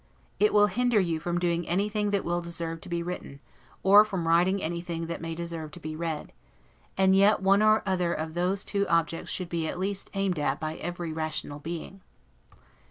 It will hinder you from doing anything that will deserve to be written, or from writing anything that may deserve to be read; and yet one or other of those two objects should be at least aimed at by every rational being.